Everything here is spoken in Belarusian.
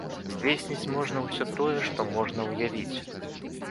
Здзейсніць можна ўсё тое, што можна ўявіць.